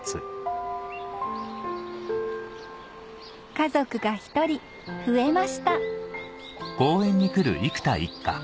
家族が１人増えました